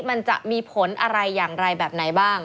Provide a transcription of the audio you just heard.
มันจะมีผลอะไรอย่างไรแบบไหนบ้าง